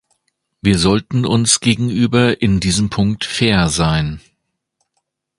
Wir sollten uns gegenüber in diesem Punkt fair sein.